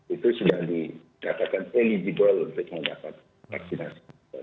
itu sudah dikatakan eligible untuk mendapat vaksinasi